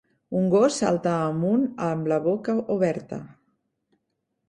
Un gos salta amunt amb la boca oberta.